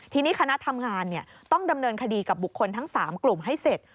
ทีนี้คณะทำงานต้องดำเนินคดีกับบุคคลทั้ง๓กลุ่มให้เสร็จ